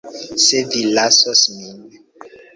Se vi lasos min.